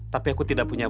tapi aku tidak punya